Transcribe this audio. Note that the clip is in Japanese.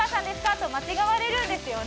と間違われるんですよね。